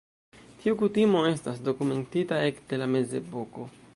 Tiu kutimo estas dokumentita ekde la Mezepoko.